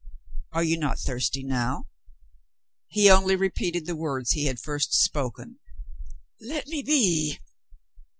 "Are you not thirsty now?" He only repeated the words he had first spoken "Let me be!"